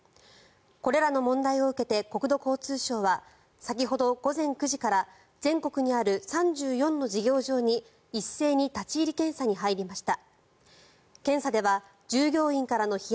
これらの問題を受けて国土交通省は先ほど午前９時から全国にある３４の事業場に一斉に立ち入り検査に入りました。